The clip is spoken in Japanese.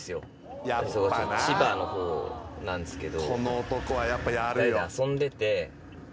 ちょっと千葉の方なんですけど。